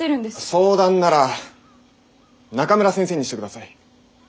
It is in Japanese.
相談なら中村先生にしてください。